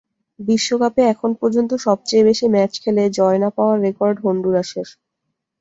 বিশ্বকাপে এখনো পর্যন্ত সবচেয়ে বেশি ম্যাচ খেলে জয় না পাওয়ার রেকর্ড হন্ডুরাসের।